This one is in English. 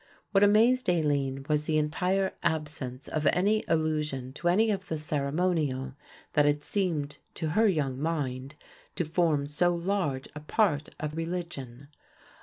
What amazed Aline was the entire absence of any allusion to any of the ceremonial that had seemed to her young mind to form so large a part of religion.